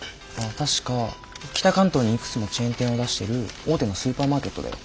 確か北関東にいくつもチェーン店を出してる大手のスーパーマーケットだよ。